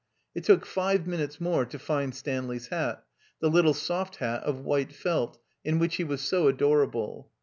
It took five minutes more to find Stanley's hat, the little soft hat of white felt, in which he was so adorable.